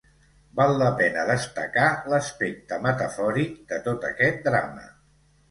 Val la pena destacar l'aspecte metafòric de tot aquest drama.